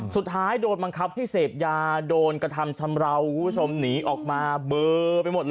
สุดท้ายโดนบังคับให้เสพยาโดนกระทำชำราวคุณผู้ชมหนีออกมาเบอร์ไปหมดเลย